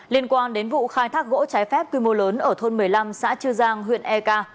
liên quan đến vụ khai thác gỗ trái phép quy mô lớn ở thôn một mươi năm xã chư giang huyện eka